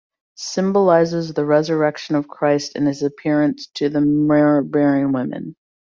Symbolizes the Resurrection of Christ and his appearance to the Myrrh-bearing Women.